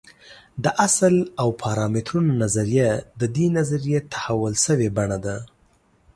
د اصل او پارامترونو نظریه د دې نظریې تحول شوې بڼه ده.